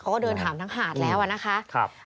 เขาก็เดินถามทั้งหาดแล้วนะคะ